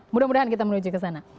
mudah mudahan kita menuju ke sana